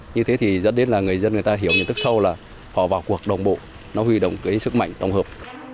như thế thì dẫn đến là người dân người ta hiểu nhận thức sâu là họ vào cuộc đồng bộ nó huy động cái sức mạnh tổng hợp